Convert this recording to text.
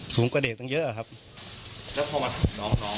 สูงกว่าเด็กคนเยอะครับแล้วพอมาถึงน้อง